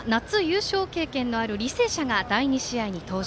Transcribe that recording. ２日目は夏優勝経験のある履正社が第２試合に登場。